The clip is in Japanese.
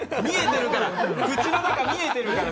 口の中見えてるから！